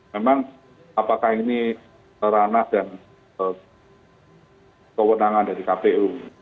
memang apakah ini ranah dan kewenangan dari kpu